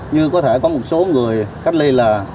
như có thể có một số người cách ly là